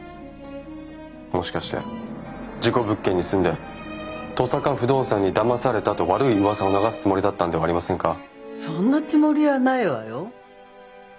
もしかして事故物件に住んで「登坂不動産にだまされた」と悪い噂を流すつもりだったんではありませんか？そんなつもりはないわよ。